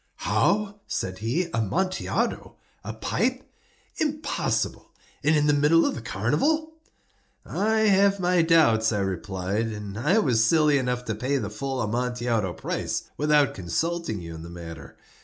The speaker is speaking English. "How?" said he. "Amontillado? A pipe? Impossible! And in the middle of the carnival!" "I have my doubts," I replied; "and I was silly enough to pay the full Amontillado price without consulting you in the matter.